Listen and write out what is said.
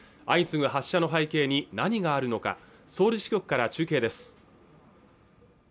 相次ぐ発射の背景に何があるのかソウル支局から中継です